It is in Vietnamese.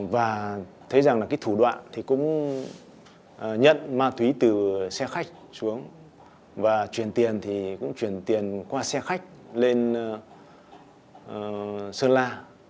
và thấy rằng là cái thủ đoạn thì cũng nhận ma túy từ xe khách xuống và chuyển tiền thì cũng chuyển tiền qua xe khách lên sơn la